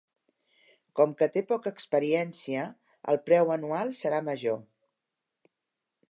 Com que té poca experiència, el preu anual serà major.